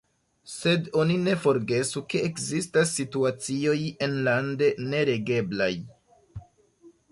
Sed oni ne forgesu, ke ekzistas situacioj enlande neregeblaj.